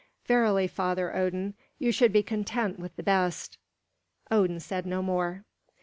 Verily, Father Odin, you should be content with the best." Odin said no more.